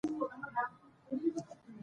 د ژورنال اوسنی سمونګر برینټ هیز اډوارډز دی.